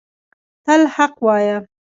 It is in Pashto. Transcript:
تل حق وایه